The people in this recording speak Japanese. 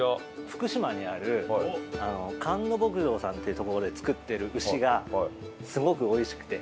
福島にある菅野牧場さんっていう所で作ってる牛がすごくおいしくて。